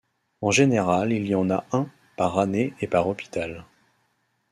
En général il y en a un par année et par hôpital.